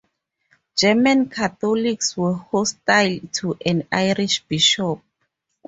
German Catholics were hostile to an Irish bishop.